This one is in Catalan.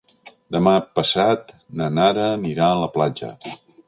Demà passat na Nara anirà a la platja.